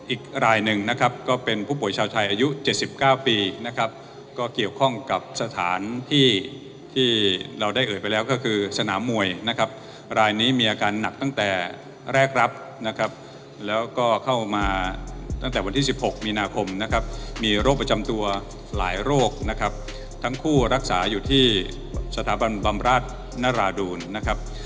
อีกรายหนึ่งนะครับก็เป็นผู้ป่วยชาวไทยอายุ๗๙ปีนะครับก็เกี่ยวข้องกับสถานที่ที่เราได้เอ่ยไปแล้วก็คือสนามมวยนะครับรายนี้มีอาการหนักตั้งแต่แรกรับนะครับแล้วก็เข้ามาตั้งแต่วันที่๑๖มีนาคมนะครับมีโรคประจำตัวหลายโรคนะครับทั้งคู่รักษาอยู่ที่สถาบันบำราชนราดูนนะครับ